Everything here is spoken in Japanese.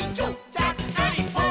ちゃっかりポン！」